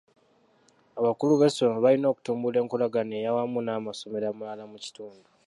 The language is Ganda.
Abakulu b'amasomero balina okutumbula enkolagana ey'awamu n'amasomero amalala mu kitundu.